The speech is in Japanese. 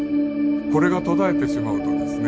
これが途絶えてしまうとですね